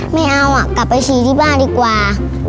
ไม่เอากลับไปฉี่ที่บ้านดีกว่า